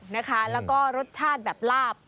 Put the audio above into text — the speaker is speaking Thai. แล้วก็รสชาติแบบลาบ